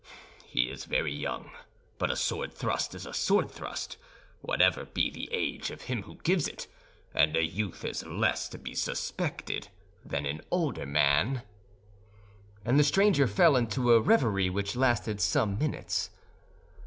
He is very young; but a sword thrust is a sword thrust, whatever be the age of him who gives it, and a youth is less to be suspected than an older man," and the stranger fell into a reverie which lasted some minutes.